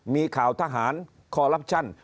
มีข่าวทหารคอลลับชั่น